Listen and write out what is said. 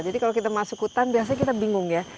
jadi kalau kita masuk hutan biasanya kita bingung ya